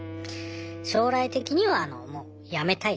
将来的にはもうやめたいです。